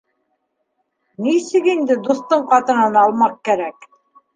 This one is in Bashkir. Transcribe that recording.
Нисек инде дуҫтың ҡатынын алмаҡ кәрәк?